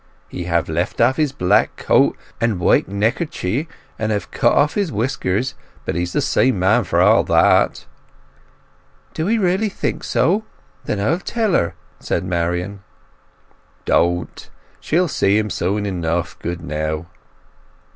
"He hev left off his black coat and white neckercher, and hev cut off his whiskers; but he's the same man for all that." "D'ye really think so? Then I'll tell her," said Marian. "Don't. She'll see him soon enough, good now."